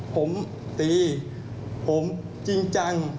ผมตีผมจริงจัง